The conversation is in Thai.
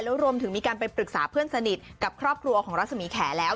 แล้วรวมถึงมีการไปปรึกษาเพื่อนสนิทกับครอบครัวของรัศมีแขแล้ว